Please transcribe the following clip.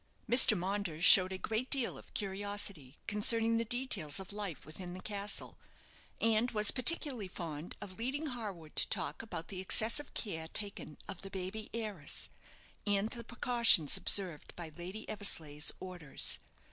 Mr. Maunders showed a great deal of curiosity concerning the details of life within the castle, and was particularly fond of leading Harwood to talk about the excessive care taken of the baby heiress, and the precautions observed by Lady Eversleigh's orders.